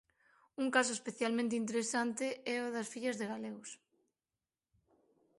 Un caso especialmente interesante é o das fillas de galegos.